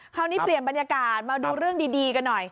คราวนี้เปลี่ยนบรรยากาศมาดูเรื่องดีกันหน่อย